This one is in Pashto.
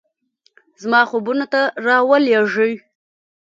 زما خوبونو ته راولیږئ